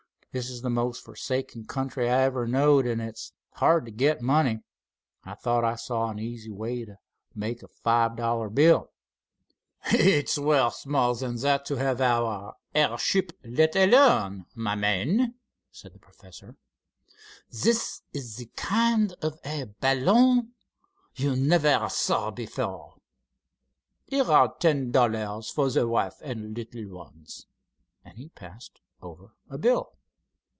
This is th' most forsaken country I ever knowed, an' it's hard t' git money. I thought I saw an easy way t' make a five dollar bill." "It's worth more than that to have our airship let alone, my man," said the professor. "This is the kind of a balloon you never saw before. Here are ten dollars for the wife and little ones," and he passed over a bill.